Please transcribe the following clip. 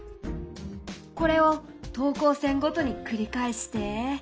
これを等高線ごとに繰り返して。